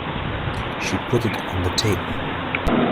She put it on the table.